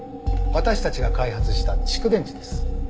私たちが開発した蓄電池です。